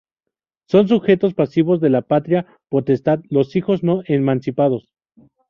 Son sujetos pasivos de la patria potestad: los hijos no emancipados.